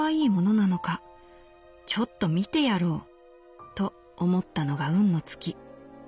ちょっと見てやろう』と思ったのが運の尽き。